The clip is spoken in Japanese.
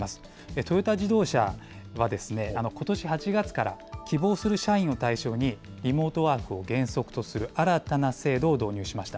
トヨタ自動車は、ことし８月から希望する社員を対象にリモートワークを原則とする新たな制度を導入しました。